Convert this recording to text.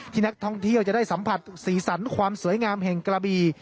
นักท่องเที่ยวจะได้สัมผัสสีสันความสวยงามแห่งกระบี